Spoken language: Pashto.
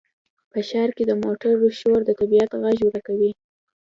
په ښار کې د موټرو شور د طبیعت غږ ورکوي.